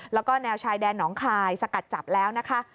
แล้วก็แนวชายแดนหนองคายสกัดจับแล้วนะคะ